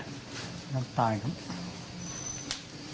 อยากตายครับ